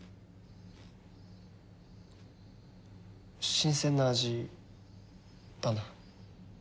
新鮮な味だな。